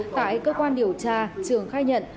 tại cơ quan điều tra trường khai nhận